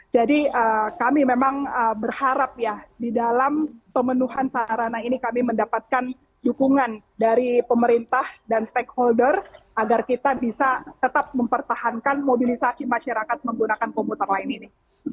jadi kami memang berharap ya di dalam pemenuhan sarana ini kami mendapatkan dukungan dari pemerintah dan stakeholder agar kita bisa tetap mempertahankan mobilisasi masyarakat menggunakan komputer lain ini